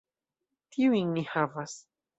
Tiujn ni havas.